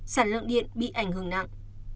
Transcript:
sản lượng điện bị ảnh hưởng nặng